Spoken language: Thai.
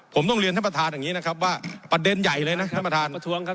ผมต้องเรียนท่านประธานอย่างนี้นะครับว่าประเด็นใหญ่เลยนะท่านประธานประท้วงครับ